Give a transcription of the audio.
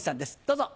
どうぞ。